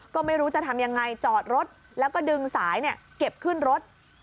ก็ไม่รู้จะทำยังไงจอดรถแล้วก็ดึงสายเก็บขึ้นรถ